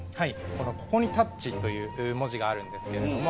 「ここにタッチ！」という文字があるんですけれども。